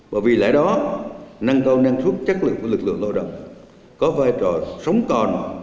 và vì lẽ đó năng cao năng suất chất lượng của lực lượng lao động có vai trò sống còn